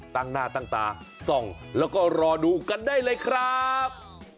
ตั้งหน้าตั้งตารึกดูกันได้เลยครับ